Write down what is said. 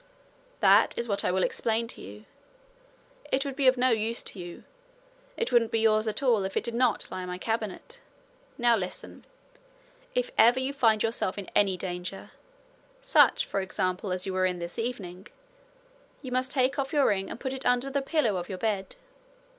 'That is what I will explain to you. It would be of no use to you it wouldn't be yours at all if it did not lie in my cabinet. Now listen. If ever you find yourself in any danger such, for example, as you were in this same evening you must take off your ring and put it under the pillow of your bed.